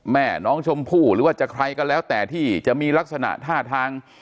แม่น้องชมพู่หรือว่าจะใครก็แล้วแต่ที่จะมีลักษณะท่าทาง